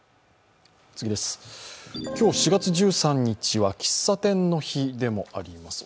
今日４月１３日は喫茶店の日でもあります。